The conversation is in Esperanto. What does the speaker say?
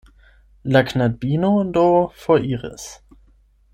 La knabino do foriris.